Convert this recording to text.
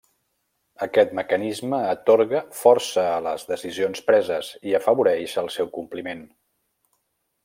Aquest mecanisme atorga força a les decisions preses i afavoreix el seu compliment.